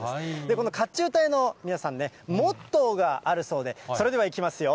この甲冑隊の皆さん、モットーがあるそうで、それではいきますよ。